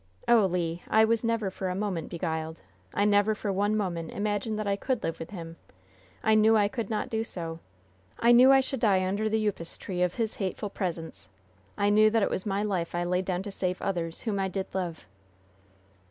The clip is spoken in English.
"Oh, Le, I was never for a moment beguiled! I never for one moment imagined that I could live with him. I knew I could not do so. I knew I should die under the upas tree of his hateful presence! I knew that it was my life I laid down to save others whom I did love!"